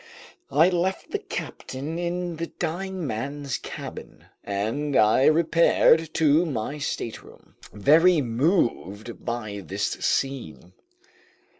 I left the captain in the dying man's cabin and I repaired to my stateroom, very moved by this scene.